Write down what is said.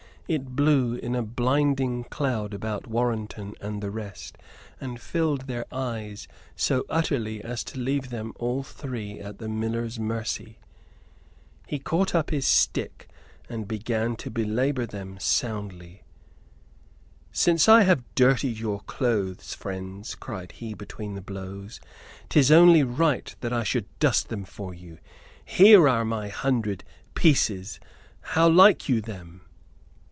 It blew in a blinding cloud about Warrenton and the rest, and filled their eyes so utterly as to leave them all three at the miller's mercy. He caught up his stick and began to belabor them soundly. "Since I have dirtied your clothes, friends," cried he, between the blows, "'tis only right that I should dust them for you! Here are my hundred 'pieces'; how like you them?"